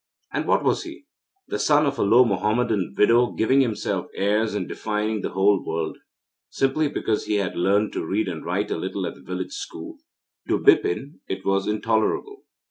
And what was he? The son of a low Mohammedan widow, giving himself airs and defying the whole world, simply because he had learnt to read and write a little at the village school. To Bipin it was intolerable.